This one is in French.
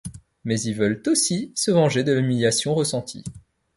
Mais ils veulent aussi se venger de l'humiliation ressentie.